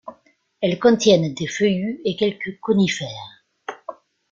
Elles contiennent des feuillus et quelques conifères.